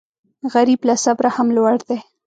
غریب له صبره هم لوړ دی